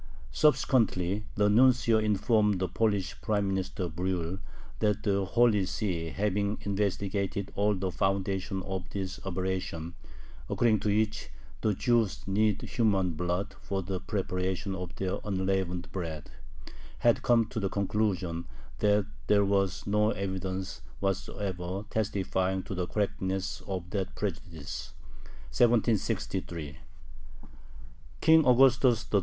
Subsequently the nuncio informed the Polish Prime Minister Brühl, that "the Holy See, having investigated all the foundations of this aberration, according to which the Jews need human blood for the preparation of their unleavened bread," had come to the conclusion that "there was no evidence whatsoever testifying to the correctness of that prejudice" (1763). King Augustus III.